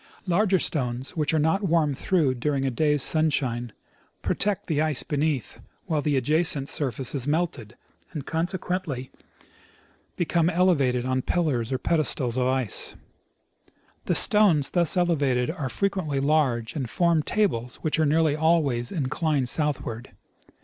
Larger stones, which are not warmed through during a day's sunshine, protect the ice beneath while the adjacent surface is melted, and consequently become elevated on pillars or pedestals of ice. The stones thus elevated are frequently large, and form tables Avhich are nearly always inclined southward.